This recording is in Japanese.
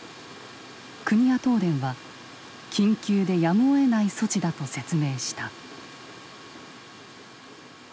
国や東電は緊急でやむをえない措置だと説明した。